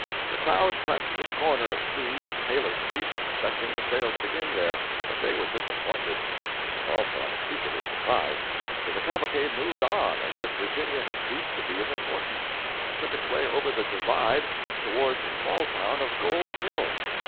The crowd pressed to the corner of C and Taylor streets, expecting the sale to begin there, but they were disappointed, and also unspeakably surprised; for the cavalcade moved on as if Virginia had ceased to be of importance, and took its way over the "divide," toward the small town of Gold Hill.